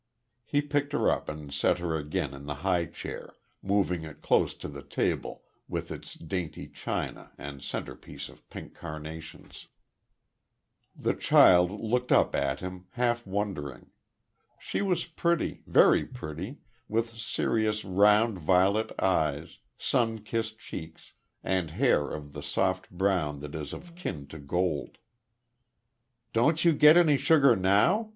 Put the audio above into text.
He picked her up and set her again in the high chair, moving it close to the table with its dainty china and center piece of pink carnations. The child looked up at him, half wondering. She was pretty very pretty with serious, round violet eyes, sun kissed cheeks, and hair of the soft brown that is of kin to gold. "Don't you get any sugar now?"